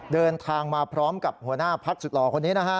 เดินทางมาพร้อมกับหัวหน้าพักสุดหล่อคนนี้นะฮะ